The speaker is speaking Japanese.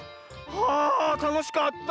はあたのしかった。